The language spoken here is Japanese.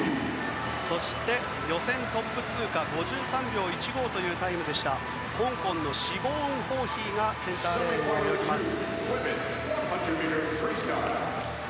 そして、予選トップ通過５３秒１５というタイムでした香港のシボーン・ホーヒーがセンターレーンを泳ぎます。